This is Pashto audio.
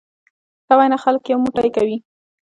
ښه وینا خلک یو موټی کوي.